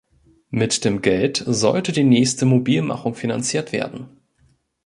Mit dem Geld sollte die nächste Mobilmachung finanziert werden.